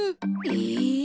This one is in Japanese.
え。